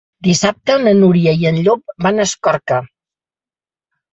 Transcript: Dissabte na Núria i en Llop van a Escorca.